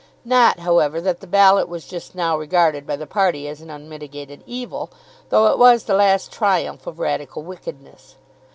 Not, however, that the Ballot was just now regarded by the party as an unmitigated evil, though it was the last triumph of Radical wickedness.